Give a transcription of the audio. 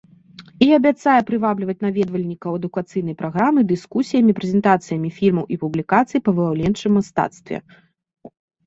І абяцае прывабліваць наведвальнікаў адукацыйнай праграмай, дыскусіямі, прэзентацыямі фільмаў і публікацый па выяўленчым мастацтве.